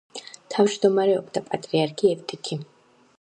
თავჯდომარეობდა პატრიარქი ევტიქი.